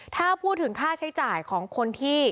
ถ้าพูดถึงค่าใช้จ่ายของคนที่